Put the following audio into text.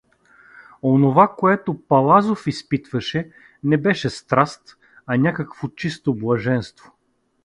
Онова, което Палазов изпитваше, не беше страст, а някакво чисто блаженство.